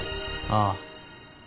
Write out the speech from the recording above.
ああ。